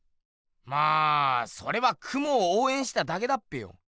まあそれはクモをおうえんしただけだっぺよ。